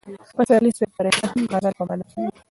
پسرلي صاحب په رښتیا هم د غزل په مانا پوهېده.